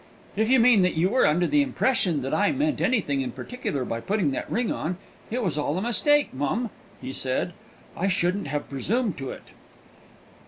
"If you mean that you were under the impression that I meant anything in particular by putting that ring on, it was all a mistake, mum," he said. "I shouldn't have presumed to it!"